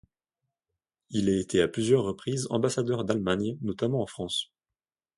Il a été à plusieurs reprises ambassadeur d'Allemagne, notamment en France.